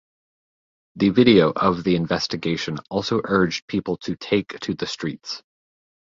The video of the investigation also urged people to take to the streets.